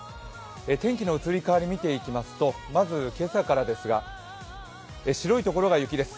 天気の移り変わり見ていきますと今朝からですが、白い所が雪です。